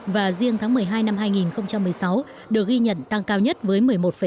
và riêng tháng một mươi hai năm hai nghìn một mươi sáu được ghi nhận tăng cao nhất với một mươi một năm